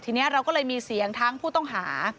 ทีนี้เราก็เลยมีเสียงทั้งผู้ต้องหา